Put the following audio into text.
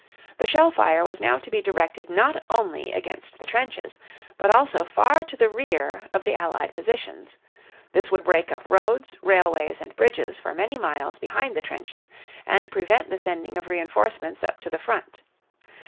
The shell fire was now to be directed not only against the trenches, but also far to the rear of the Allied positions. This would break up roads, railways, and bridges for many miles behind the trenches and prevent the sending of reinforcements up to the front.